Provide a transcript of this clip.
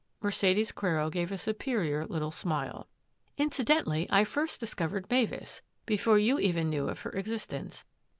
Mercedes Quero gave a superior little smile. " Incidentally, I first discovered Mavis — before you even knew of her existence.